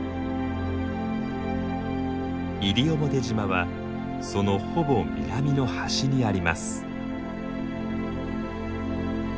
西表島はそのほぼ南の端にあります。